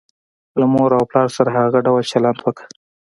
له مور او پلار سره هغه ډول چلند وکړه.